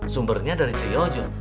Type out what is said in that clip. sumbernya dari cey ojo